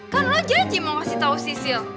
kan lo janji mau kasih tau sisil